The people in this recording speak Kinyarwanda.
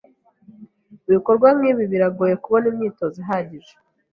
Mubikorwa nkibi, biragoye kubona imyitozo ihagije.